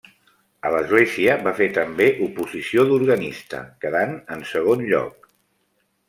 A l'església va fer també oposició d'organista, quedant en segon lloc.